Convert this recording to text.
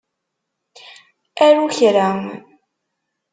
Aru kra.